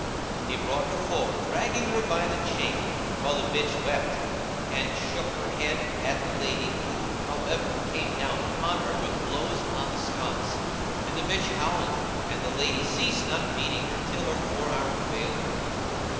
He brought her forward, dragging her by the chain, while the bitch wept, and shook her head at the lady who, however, came down upon her with blows on the sconce; and the bitch howled and the lady ceased not beating her till her forearm failed her.